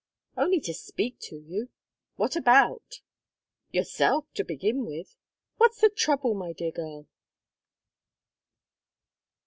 "Only to speak to you." "What about?" "Yourself, to begin with. What's the trouble, my dear girl?"